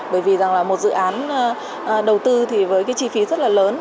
bởi vì rằng là một dự án đầu tư thì với cái chi phí rất là lớn